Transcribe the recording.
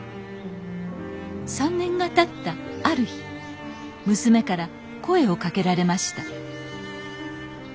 ３年がたったある日娘から声をかけられました